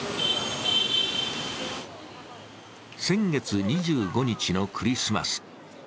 先月２５日のクリスマス。